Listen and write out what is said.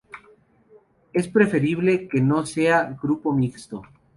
Es preferible que no sea grupo mixto.